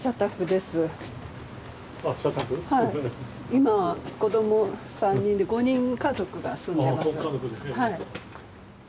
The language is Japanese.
今子供３人で５人家族が住んでます。